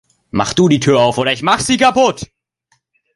Mach du die Tür auf oder ich mache sie kaputt!